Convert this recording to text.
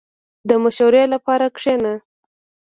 • د مشورې لپاره کښېنه.